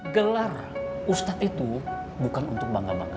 gelar ustadz itu bukan untuk bangga bangga